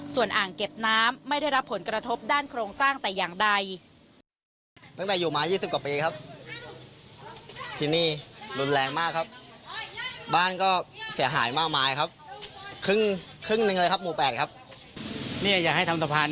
ส่วนอ่างเก็บน้ำไม่ได้รับผลกระทบด้านโครงสร้างแต่อย่างใด